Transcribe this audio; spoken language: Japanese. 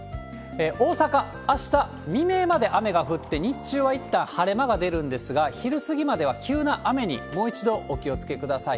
大阪、あした未明まで雨が降って、日中はいったん晴れ間が出るんですが、昼過ぎまでは急な雨にもう一度お気をつけください。